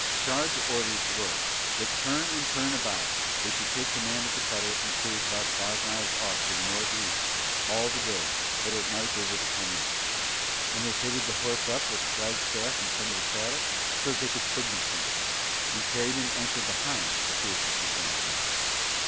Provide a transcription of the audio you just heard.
Shard's orders were that turn and turn about they should take command of the cutter and cruise about five miles off to the North East all the day but at night they were to come in. And they fitted the horse up with a flagstaff in front of the saddle so that they could signal from her, and carried an anchor behind for fear she should run away.